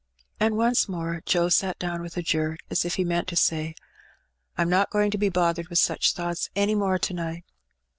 '^ And. once more Joe sat down with a jerk, as if he meant to say, 'Tm not going to be bothered with such thoughts any more to night.